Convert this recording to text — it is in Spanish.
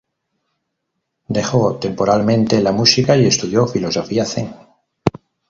Dejó temporalmente la música y estudió filosofía Zen.